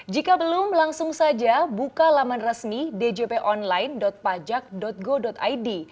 jika belum langsung saja buka laman resmi djp online pajak go id